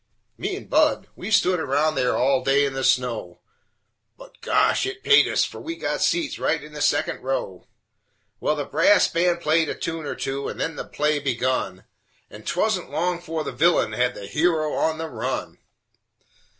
Me and Budd we stood around there all day in the snow, But gosh! it paid us, fer we got seats right in the second row! Well, the brass band played a tune or two, and then the play begun, And 'twa'n't long 'fore the villain had the hero on the run.